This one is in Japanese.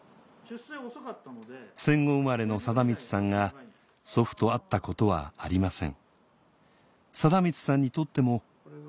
戦後生まれの貞満さんが祖父と会ったことはありません